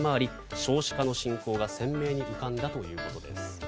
少子化の進行が鮮明に浮かんだということです。